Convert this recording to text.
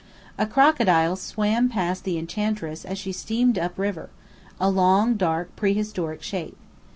A crocodile swam past the Enchantress as she steamed up river; a long, dark, prehistoric shape.